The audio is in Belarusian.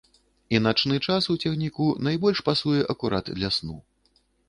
І начны час у цягніку найбольш пасуе акурат для сну.